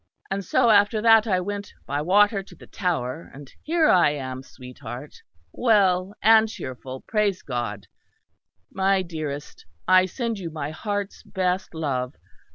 And so after that I went by water to the Tower, and here I am, sweetheart, well and cheerful, praise God.... "My dearest, I send you my heart's best love.